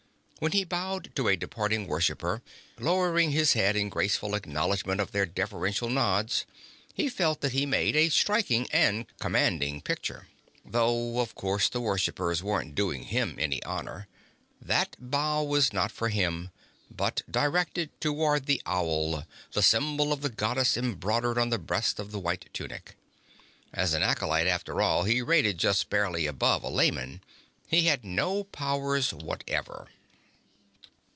When he bowed to a departing worshipper, lowering his head in graceful acknowledgment of their deferential nods, he felt that he made a striking and commanding picture. Though, of course, the worshippers weren't doing him any honor. That bow was not for him, but directed toward the Owl, the symbol of the Goddess embroidered on the breast of the white tunic. As an acolyte, after all, he rated just barely above a layman; he had no powers whatever.